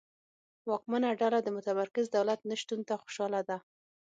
واکمنه ډله د متمرکز دولت نشتون ته خوشاله ده.